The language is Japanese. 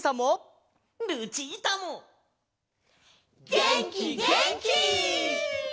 げんきげんき！